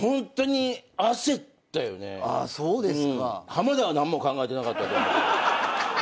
浜田は何も考えてなかったと思うけど。